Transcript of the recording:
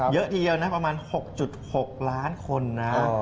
เยอะทีเดียวนะประมาณ๖๖ล้านคนนะ